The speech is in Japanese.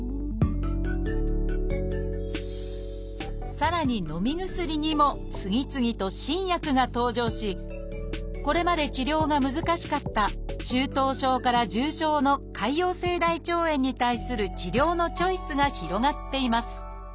さらにのみ薬にも次々と新薬が登場しこれまで治療が難しかった中等症から重症の潰瘍性大腸炎に対する治療のチョイスが広がっています